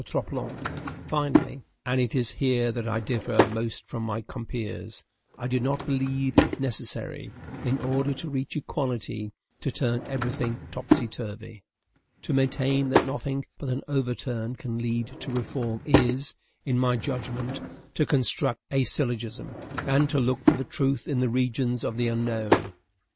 Troplong. Finally, and it is here that I differ most from my compeers, I do not believe it necessary, in order to reach equality, to turn every thing topsy turvy. To maintain that nothing but an overturn can lead to reform is, in my judgment, to construct a syllogism, and to look for the truth in the regions of the unknown.